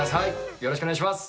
よろしくお願いします！